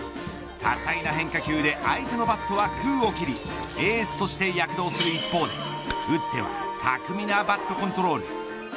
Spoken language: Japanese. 多彩な変化球で相手のバットは空を切りエースとして躍動する一方で打っては巧みなバットコントロール。